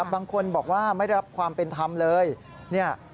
บางคนบอกว่าไม่ได้รับความเป็นธรรมเลย